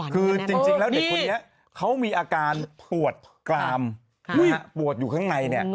คือจริงแล้วเด็กคนนี้เขามีอาการปวดกรามปวดอยู่ข้างใน